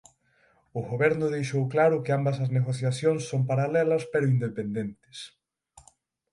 O Goberno deixou claro que ambas as negociacións son paralelas pero independentes.